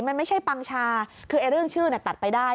มันไม่ใช่ปังชาคือเรื่องชื่อตัดไปได้